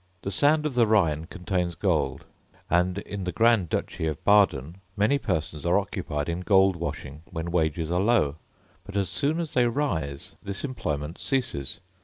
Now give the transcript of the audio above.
The sand of the Rhine contains gold; and in the Grand Duchy of Baden many persons are occupied in gold washing when wages are low; but as soon as they rise, this employment ceases.